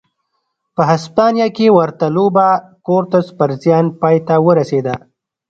په هسپانیا کې ورته لوبه کورتس پر زیان پای ته ورسېده.